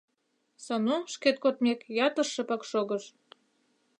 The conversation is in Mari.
Сану, шкет кодмек, ятыр шыпак шогыш.